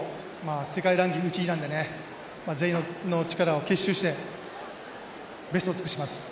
世界ランキング１位なので全員の力を結集してベストを尽くします。